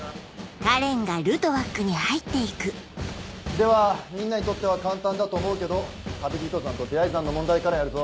ではみんなにとっては簡単だと思うけど旅人算と出会い算の問題からやるぞ。